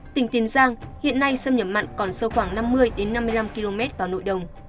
tỉnh tiền giang hiện nay xâm nhập mặn còn sâu khoảng năm mươi năm mươi năm km vào nội đồng